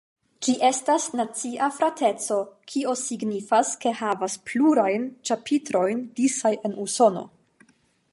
Ĝi estas nacia frateco, kio signifas ke havas plurajn ĉapitrojn disaj en Usono.